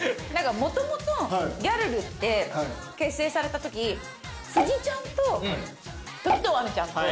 もともとギャルルって結成されたとき辻ちゃんと時東ぁみちゃんと私の。